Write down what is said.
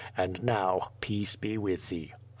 And now, peace be with thee!